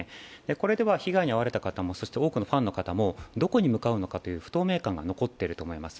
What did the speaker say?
これでは被害に遭われた方も多くのファンの方もどこに向かうのかという不透明感が残っていると思います。